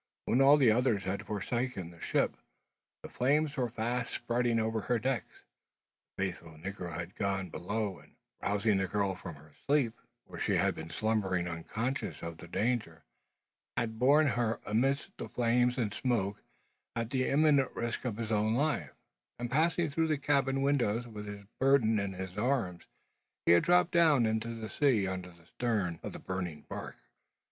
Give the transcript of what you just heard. When all the others had forsaken the ship, and the flames were fast spreading over her decks, the faithful negro had gone below, and, rousing the girl from her sleep, for she had been slumbering unconscious of the danger, had borne her amidst flames and smoke, at the imminent risk of his own life, and passing through the cabin windows with his burden in his arms, he had dropped down into the sea under the stern of the burning bark.